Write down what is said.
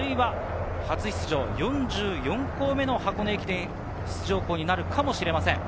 駿河台大学、或いは初出場、４４校目の箱根駅伝出場校になるかもしれません。